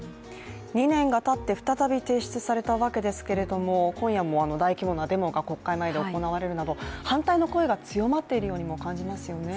２年がたって再び提出されたわけですけれども今夜も大規模なデモが国会前で行われるなど反対の声が強まっているようにも感じます